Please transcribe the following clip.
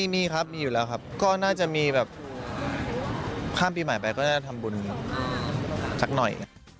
มีครับมีอยู่แล้วครับก็น่าจะมีแบบข้ามปีใหม่ไปก็จะทำบุญสักหน่อย